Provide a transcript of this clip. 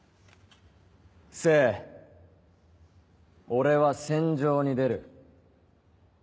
俺は戦場に出る。